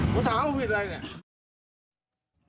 ถามว่าผิดอะไรเนี่ย